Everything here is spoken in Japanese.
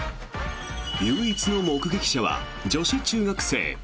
唯一の目撃者は女子中学生。